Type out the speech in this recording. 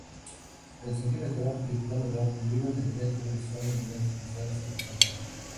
El "centímetro" y el "kilómetro" derivan del metro, y son unidades utilizadas habitualmente.